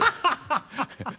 ハハハハハ。